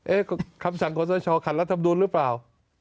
เอ๊ะคำสั่งของคสชขัดรัฐมนูลหรือเปล่า